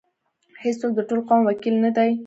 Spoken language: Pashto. هیڅوک د ټول قوم وکیل نه دی.